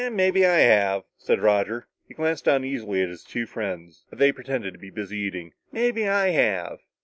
"Maybe I have," said Roger. He glanced uneasily at his two friends, but they pretended to be busy eating. "Maybe I have."